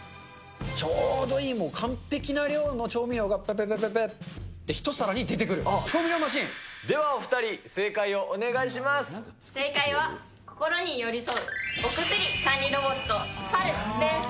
ちょうどいい完璧な量の調味料が、ぺぺぺぺぺって、一皿に出では、お２人正解をお願いし正解は、心に寄り添うお薬管理ロボット、Ｐａｌです。